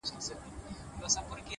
• زه په مین سړي پوهېږم,